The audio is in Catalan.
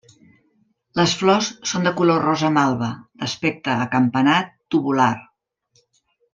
Les flors són de color rosa malva, d'aspecte acampanat tubular.